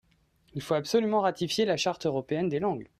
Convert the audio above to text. Il faut absolument ratifier la Charte européenne des langues.